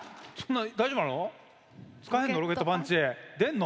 大丈夫なの？